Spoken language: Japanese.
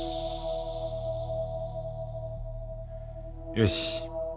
よし。